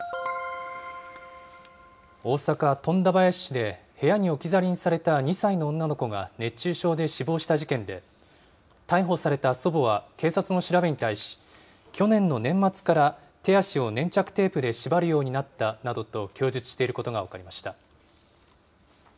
大阪・富田林市で、部屋に置き去りにされた２歳の女の子が熱中症で死亡した事件で、逮捕された祖母は警察の調べに対し、去年の年末から手足を粘着テープで縛るようになったなどと供述していることが分かりました。